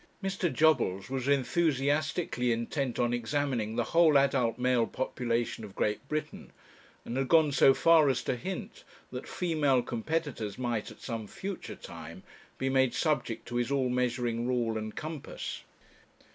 Mr. Jobbles was enthusiastically intent on examining the whole adult male population of Great Britain, and had gone so far as to hint that female competitors might, at some future time, be made subject to his all measuring rule and compass.